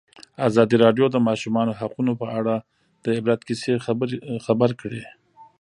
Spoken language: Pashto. ازادي راډیو د د ماشومانو حقونه په اړه د عبرت کیسې خبر کړي.